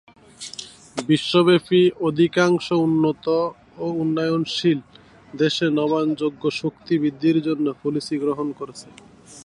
বিশ্বব্যাপী অধিকাংশ উন্নত এবং উন্নয়নশীল দেশ নবায়নযোগ্য শক্তি বৃদ্ধির জন্য পলিসি গ্রহণ করেছে।